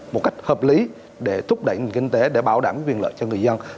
một cách hợp lý để thúc đẩy nền kinh tế để bảo đảm quyền lợi cho người dân